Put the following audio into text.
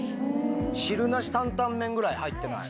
汁なしタンタンメンぐらい入ってない。